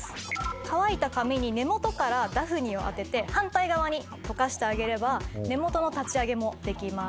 乾いた髪に根元からダフニを当てて反対側にとかしてあげれば根元の立ち上げもできます。